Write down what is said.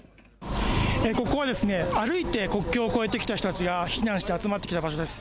ここは歩いて国境を越えてきた人たちが避難して集まってきた場所です。